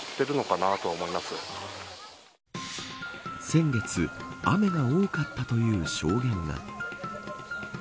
先月雨が多かったという証言が。